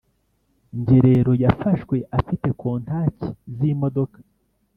Ngerero yafashwe afite kontaki z’imodoka